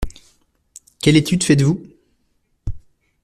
Quelles études faites-vous ?